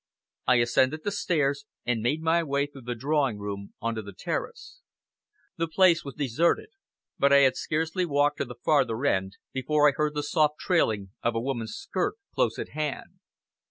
I ascended the stairs, and made my way through the drawing room on to the terrace. The place was deserted, but I had scarcely walked to the farther end, before I heard the soft trailing of a woman's skirt close at hand.